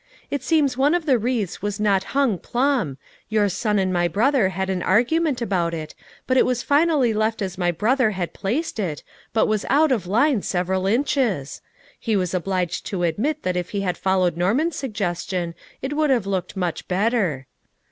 It seems one of the wreaths was not hung plumb ; your son and my brother had an argument about it, and it was finally left as my brother had placed it, but was out of line several inches. He was obliged to admit that if he had followed Norman's direction it would have looked much better."